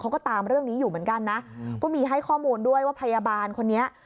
เขาก็ตามเรื่องนี้อยู่เหมือนกันนะก็มีให้ข้อมูลด้วยว่าพยาบาลคนนี้